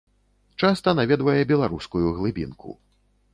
Часта наведвае беларускую глыбінку.